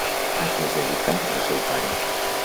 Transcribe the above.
A què es dedicà el seu pare?